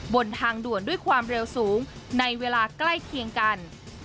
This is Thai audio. บนทางด่วนด้วยความเร็วสูงในเวลาใกล้เคียงกัน